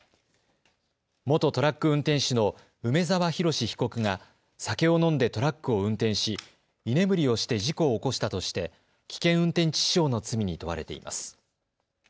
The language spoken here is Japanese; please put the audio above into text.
元トラック運転手の梅澤洋被告が酒を飲んでトラックを運転し居眠りをして事故を起こしたとして危険運転致死傷の罪に問われています。